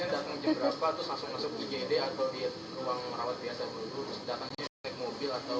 terus datangnya naik mobil atau